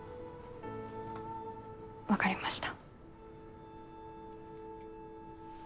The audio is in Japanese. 分かりました。